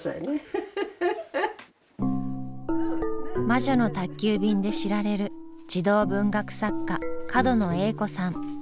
「魔女の宅急便」で知られる児童文学作家角野栄子さん８７歳。